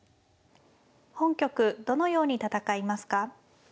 本局どのように戦いますか。